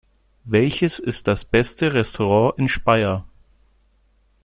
Welches ist das beste Restaurant in Speyer?